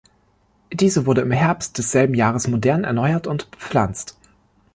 Diese wurde im Herbst desselben Jahres modern erneuert und bepflanzt.